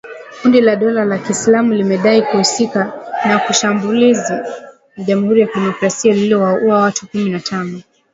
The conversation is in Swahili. Kundi la dola ya kiislamu limedai kuhusika na shambulizi la jamhuri ya kidemokrasia lililouwa watu kumi na tano